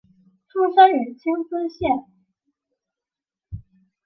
出身于青森县。